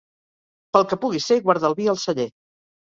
Pel que pugui ser, guarda el vi al celler.